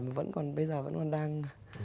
mà bây giờ vẫn còn đang